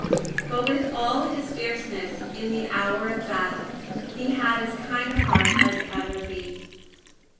But with all his fierceness in the hour of battle, he had as kind a heart as ever beat.